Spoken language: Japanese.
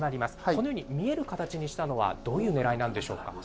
このように見える形にしたのは、どういうねらいなんでしょうか？